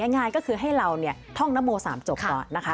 ง่ายง่ายก็คือให้เราเนี้ยท่องนับโมสามจบก่อนนะคะ